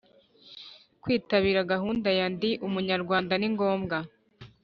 Kwitabira gahunda ya Ndi umunyarwanda ni ngombwa